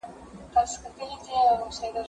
زه پرون مېوې وخوړله؟!